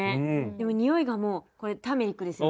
でも匂いがもうこれターメリックですね。